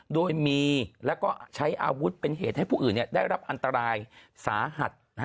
โดยมีแล้วก็ใช้อาวุธเป็นเหตุให้ผู้อื่นได้รับอันตรายสาหัส